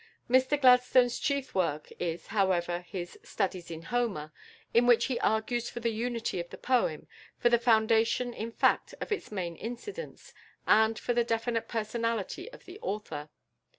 Mr Gladstone's chief work is, however, his "Studies in Homer," in which he argues for the unity of the poem, for the foundation in fact of its main incidents, and for the definite personality of the author.